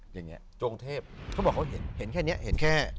อย่างนี้จงเทพเขาบอกเขาเห็นแค่นี้เห็นแค่